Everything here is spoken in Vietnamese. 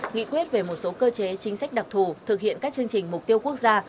nghị quyết về một số cơ chế chính sách đặc thù thực hiện các chương trình mục tiêu quốc gia